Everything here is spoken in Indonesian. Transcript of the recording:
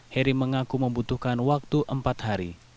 heri mengaku membutuhkan waktu empat hari